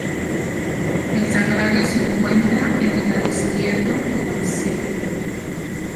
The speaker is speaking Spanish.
El sagrario se encuentra en el lado izquierdo del ábside.